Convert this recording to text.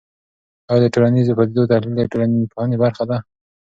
آیا د ټولنیزو پدیدو تحلیل د ټولنپوهنې برخه ده؟